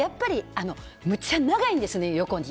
むちゃ長いんですよね。